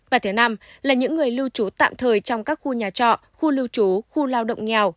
và thứ năm là những người lưu trú tạm thời trong các khu nhà trọ khu lưu trú khu lao động nghèo